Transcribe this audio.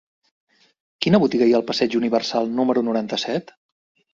Quina botiga hi ha al passeig Universal número noranta-set?